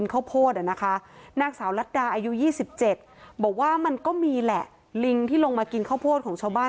ข้าวโพดอ่ะนะคะนางสาวลัดดาอายุ๒๗บอกว่ามันก็มีแหละลิงที่ลงมากินข้าวโพดของชาวบ้าน